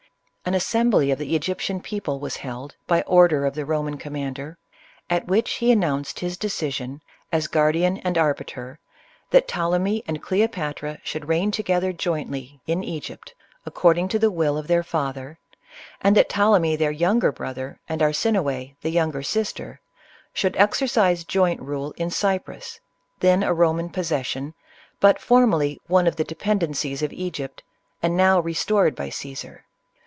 An assembly of the Egyptian people was held, by order of the Roman commander, at which he announced his de cision, as guardian and arbiter, that Ptolemy and Cleo patra should reign together jointly, in Egypt, accord ing to the will of their father ; and that Ptolemy, their younger brother, and Arsinoe, the younger sister, should exercise joint rule in Cyprus, then a Roman possession, but formerly one of the dependencies of Egypt, and now restored by Caesar.